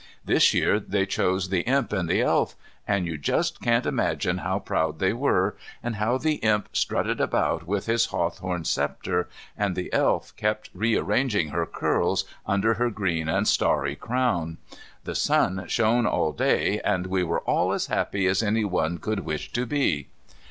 This year they chose the Imp and the Elf, and you just can't imagine how proud they were, and how the Imp strutted about with his hawthorn sceptre, and the Elf kept re arranging her curls under her green and starry crown. The sun shone all day, and we were all as happy as anyone could wish to be.